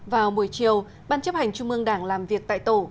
vào buổi chiều ban chấp hành trung mương đảng làm việc tại tổ